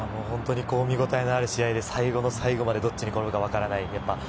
見応えのある試合で、最後の最後までどちらに転ぶかわからない。